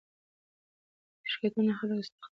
شرکتونه خلک استخداموي.